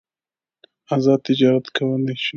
ازاد تجارت کولای شي.